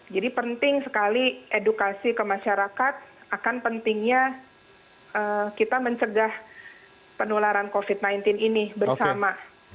jadi penting sekali edukasi ke masyarakat akan pentingnya kita mencegah penularan covid sembilan belas ini bersama